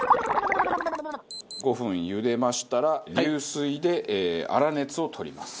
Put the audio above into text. ５分茹でましたら流水で粗熱を取ります。